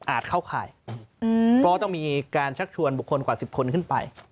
เข้าข่ายเพราะต้องมีการชักชวนบุคคลกว่า๑๐คนขึ้นไป